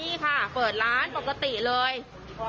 กูมาไม่เคยเห็นสักกวันหนึ่ง